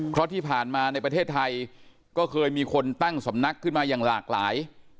เพราะที่ผ่านมาในประเทศไทยก็เคยมีคนตั้งสำนักขึ้นมาอย่างหลากหลาย